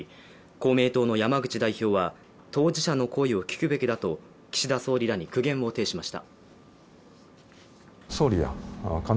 公明党の山口代表は当事者の声を聞くべきだと岸田総理らに苦言を呈しました。